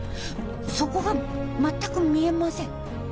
底が全く見えません。